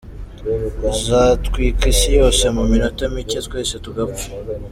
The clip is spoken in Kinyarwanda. Zatwika isi yose mu minota mike, twese tugapfa.